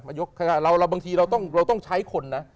บางทีเราต้องใช้คนนะ